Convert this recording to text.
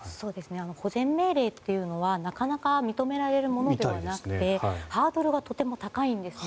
保全命令というのはなかなか認められるものではなくてハードルがとても高いんです。